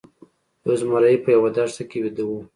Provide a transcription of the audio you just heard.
یو زمری په یوه دښته کې ویده و.